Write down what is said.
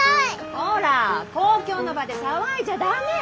こら公共の場で騒いじゃダメ！